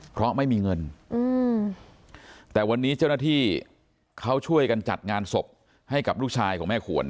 เพราะไม่มีเงินแต่วันนี้เจ้าหน้าที่เขาช่วยกันจัดงานศพให้กับลูกชายของแม่ขวน